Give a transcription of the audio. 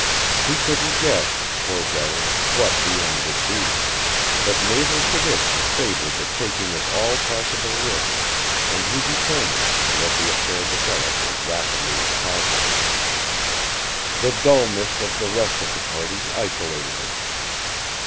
He couldn't guess, poor devil, what the end would be, but naval tradition favoured the taking of all possible risks, and he determined to let the affair develop as rapidly as possible. The dulness of the rest of the party isolated them.